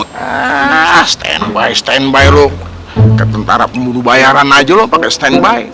nah standby standby lu ketentara pemburu bayaran aja lu pakai standby